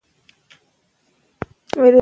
سیاسي ثبات ملي امنیت پیاوړی کوي